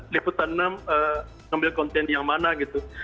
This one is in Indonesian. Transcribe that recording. liputan enam ngambil konten yang mana gitu